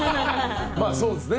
まあそうですね。